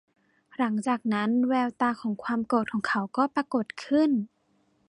หลัจากนั้น แววตาของความโกรธของเขาก็ปรากฎขึ้น